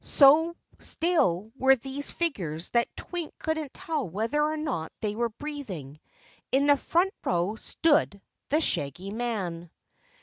So still were these figures that Twink couldn't tell whether or not they were breathing. In the front row stood the Shaggy Man.